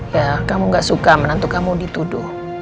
ya kamu gak suka menantu kamu dituduh